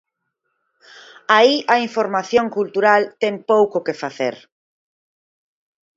Aí a información cultural ten pouco que facer.